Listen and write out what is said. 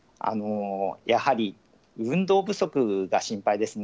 やはり運動不足が心配ですね。